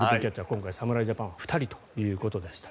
今回、侍ジャパンは２人ということでした。